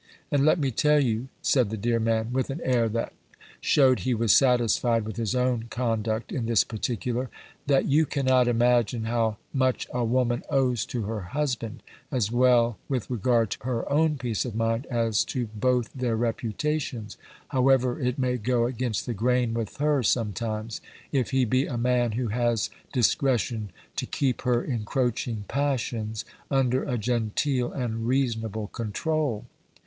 "And let me tell you," said the dear man, with an air that shewed he was satisfied with his own conduct in this particular, "that you cannot imagine how much a woman owes to her husband, as well with regard to _her own _peace of mind, as to both their reputations (however it may go against the grain with her sometimes), if he be a man who has discretion to keep her encroaching passions under a genteel and reasonable control!"